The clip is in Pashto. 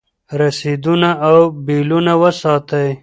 رسیدونه او بیلونه وساتئ.